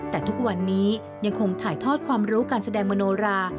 แต่ทุกวันนี้ยังคงถ่ายทอดความรู้การแสดงมโนรา